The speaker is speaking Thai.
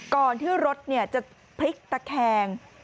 ก่อนที่รถจะพลิกตะแคง